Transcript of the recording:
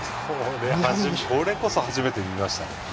これこそ初めて見ました。